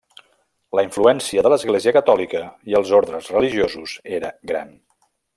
La influència de l'Església catòlica i els ordes religiosos era gran.